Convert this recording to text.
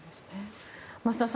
増田さん